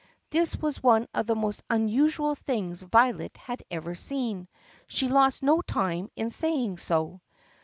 This was one of the most unusual things Violet had ever seen. She lost no time in saying so.